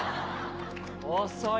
遅い。